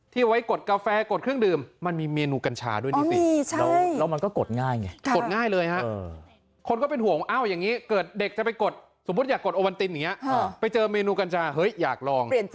ที่ไว้กดกาแฟกดเครื่องดื่มมันมีเมนูกัญชาด้วยเหรอ